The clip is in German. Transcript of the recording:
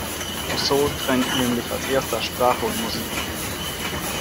Rousseau trennt nämlich als Erster Sprache und Musik.